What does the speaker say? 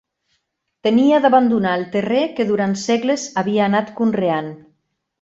Tenia d'abandonar el terrer que durant segles havia anat conreant